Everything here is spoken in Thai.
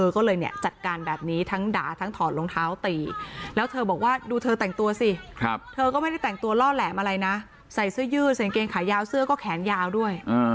ก็เลยเนี่ยจัดการแบบนี้ทั้งด่าทั้งถอดรองเท้าตีแล้วเธอบอกว่าดูเธอแต่งตัวสิเธอก็ไม่ได้แต่งตัวล่อแหลมอะไรนะใส่เสื้อยืดใส่กางเกงขายาวเสื้อก็แขนยาวด้วย